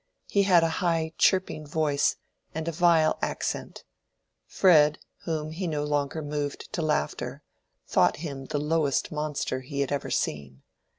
He had a high chirping voice and a vile accent. Fred, whom he no longer moved to laughter, thought him the lowest monster he had ever seen.